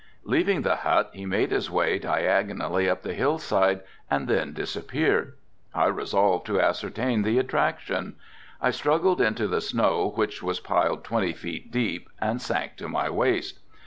Leaving the hut he made his way diagonally up the hill side and then disappeared. I resolved to ascertain the attraction. I struggled into the snow which was piled twenty feet deep and sank to my waist.